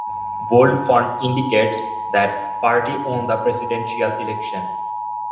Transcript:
Bold font indicates that party won the presidential election.